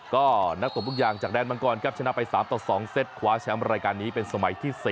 ก็นักตบทุกอย่างจากแดนมังกรครับชนะไป๓ต่อ๒เซตคว้าแชมป์รายการนี้เป็นสมัยที่๔